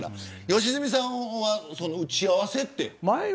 良純さんは打ち合わせって。